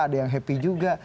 ada yang happy juga